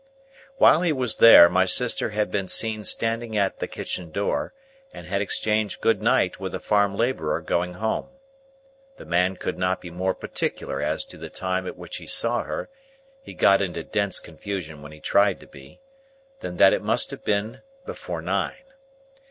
While he was there, my sister had been seen standing at the kitchen door, and had exchanged Good Night with a farm labourer going home. The man could not be more particular as to the time at which he saw her (he got into dense confusion when he tried to be), than that it must have been before nine.